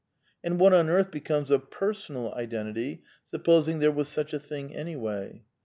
And what on earth becomes of per sonal identity, supposing there was such a thing anyway